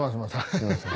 すいません。